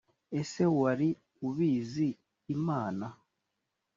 ese wari ubizi imana